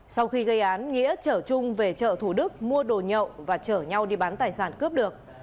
sau khi gây án nghĩa chở trung về chợ thủ đức mua đồ nhậu và chở nhau đi bán tài sản cướp được